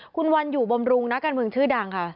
คุณวันอยู่บำรุงนักการเมืองชื่อดังค่ะ